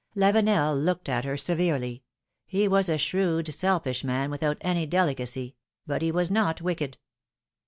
Lavenel looked at her severely. He was a shrewd, selfish man, without any delicacy ; but he was not wicked.